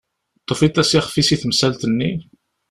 Tufiḍ-as ixf-is i temsalt-nni?